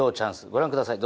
ご覧ください。